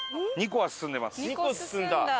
２個進んだ。